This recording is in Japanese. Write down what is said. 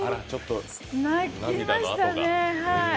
泣きましたね、はい。